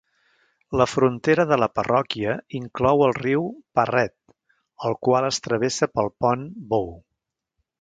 La frontera de la parròquia inclou el riu Parret, el qual es travessa pel pont Bow.